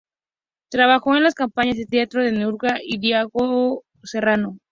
Trabajó en las compañías de teatro de Núria Espert y Diego Serrano.